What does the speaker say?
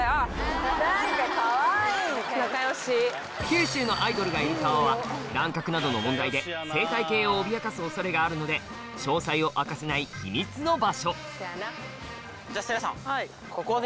九州のアイドルがいる川は乱獲などの問題で生態系を脅かす恐れがあるので詳細を明かせない秘密の場所じゃせいらさん。